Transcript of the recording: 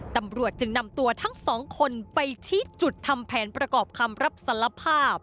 ตำรวจจึงนำตัวทั้งสองคนไปชี้จุดทำแผนประกอบคำรับสารภาพ